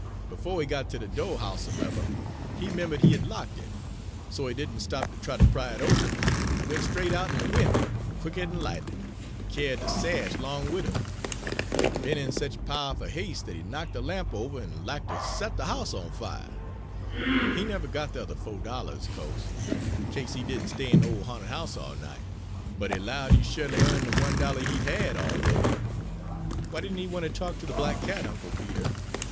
Befo' he got ter de do', howsomevuh, he 'membered he had locked it, so he didn' stop ter try ter open it, but went straight out'n a winder, quicker'n lightnin', an' kyared de sash 'long wid 'im. An' he'd be'n in sech pow'ful has'e dat he knock' de lamp over an' lack ter sot de house afire. He nevuh got de yuther fo' dollahs of co'se, 'ca'se he didn't stay in de ole ha'nted house all night, but he 'lowed he'd sho'ly 'arned de one dollah he'd had a'ready." "Why didn't he want to talk to the black cat, Uncle Peter?"